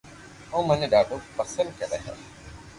او مني ڌاڌو پسند ڪري ھي